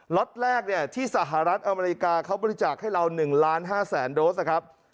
ล็อตแรกที่สหรัฐอเมริกาเขาบริจาคให้เรา๑ล้าน๕แสนโดสนะครับ